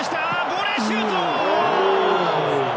ボレーシュート！